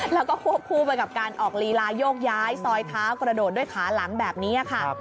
แล้วก็ควบคู่ไปกับการออกลีลายกย้ายซอยเท้ากระโดดด้วยขาหลังแบบนี้ค่ะ